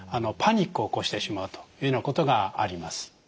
パニックを起こしてしまうというようなことがあります。